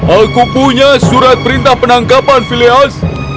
aku punya surat perintah penangkapan filias